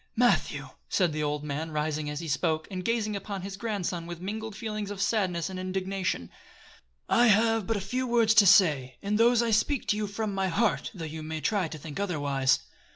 "Matthew," said the old man, rising as he spoke, and gazing upon his grandson with mingled feelings of sadness and indignation, "I have but a few words to say, and those I speak to you from my heart though you may try to think otherwise.